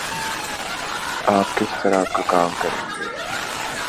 آپ کس طرح کا کام کریں گے؟